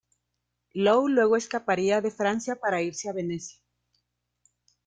Law luego escaparía de Francia para irse a Venecia.